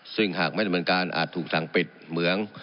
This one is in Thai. ซึ่งหากไม่เหมือนกันอาจถูกสั่งปิดเหมือง